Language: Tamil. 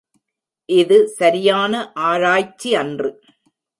இது சரியான ஆராய்ச்சியன்று.